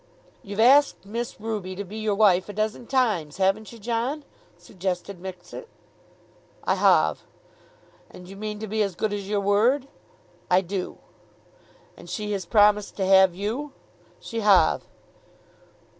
"You've asked Miss Ruby to be your wife a dozen times; haven't you, John?" suggested Mixet. "I hove." "And you mean to be as good as your word?" "I do." "And she has promised to have you?" "She hove."